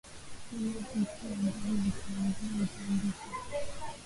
Sema vitu ambavyo nitaandika